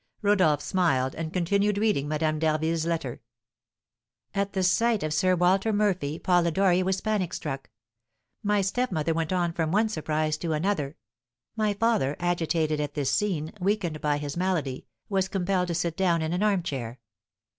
Rodolph smiled, and continued reading Madame d'Harville's letter: "At the sight of Sir Walter Murphy, Polidori was panic struck; my stepmother went on from one surprise to another; my father, agitated at this scene, weakened by his malady, was compelled to sit down in an armchair.